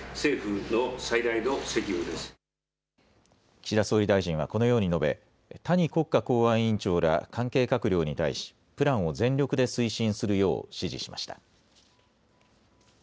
岸田総理大臣はこのように述べ谷国家公安委員長ら関係閣僚に対しプランを全力で推進するよう指示しました。